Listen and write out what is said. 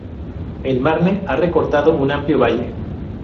El Marne ha recortado un amplio valle.